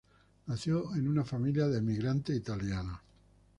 Nació en una familia de emigrantes italianos.